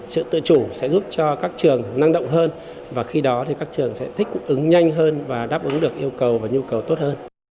sự tự chủ sẽ giúp cho các trường năng động hơn và khi đó thì các trường sẽ thích ứng nhanh hơn và đáp ứng được yêu cầu và nhu cầu tốt hơn